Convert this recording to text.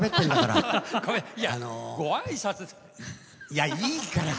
いやいいから！